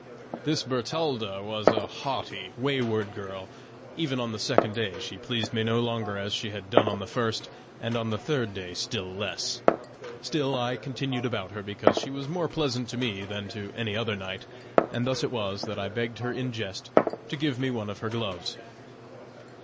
"This Bertalda was a haughty, wayward girl. Even on the second day she pleased me no longer as she had done on the first, and on the third day still less. Still I continued about her, because she was more pleasant to me than to any other knight, and thus it was that I begged her in jest to give me one of her gloves.